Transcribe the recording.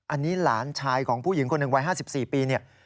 อันนี้หลานชายของผู้หญิงคนหนึ่งวัย๕๔ปีเนี่ย